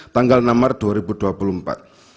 tanggal enam maret dua ribu dua puluh empat